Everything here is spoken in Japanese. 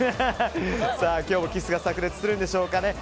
今日もキッスが炸裂するんでしょうか。